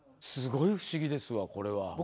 すごい不思議ですわこれは！